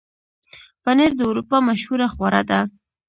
پنېر د اروپا مشهوره خواړه ده.